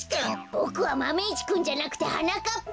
ボクはマメ１くんじゃなくてはなかっぱ！